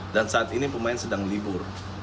dan saat ini pemain sedang libur